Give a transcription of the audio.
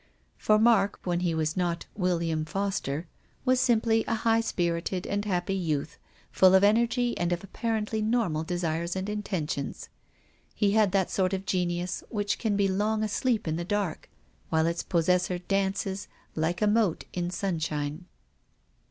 For Mark, when he was not " Will iam Foster," was simply a high spirited and happy youth, full of energy and of apparently normal desires and intentions. He had that sort of genius which can be long asleep in the dark, while its possessor dances, like a mote, in sun shine.